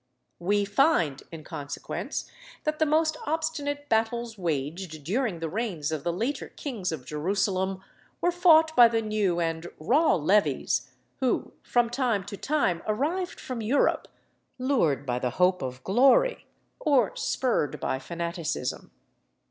We find, in consequence, that the most obstinate battles waged during the reigns of the later kings of Jerusalem were fought by the new and raw levies who from time to time arrived from Europe, lured by the hope of glory or spurred by fanaticism.